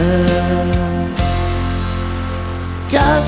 จากสิ่วนี้โฆมากก็ทันหัน